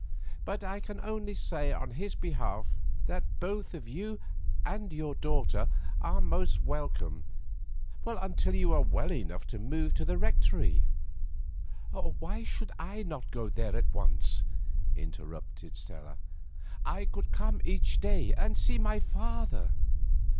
"But I can only say on his behalf that both you and your daughter are most welcome until you are well enough to move to the Rectory." "Why should I not go there at once?" interrupted Stella. "I could come each day and see my father."